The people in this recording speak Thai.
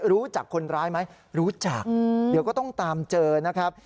รู้จักคนร้ายไหมรู้จักเดี๋ยวก็ต้องตามเจอนะครับ